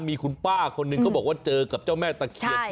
มีคุณป้าคนหนึ่งเขาบอกว่าเจอกับเจ้าแม่ตะเคียน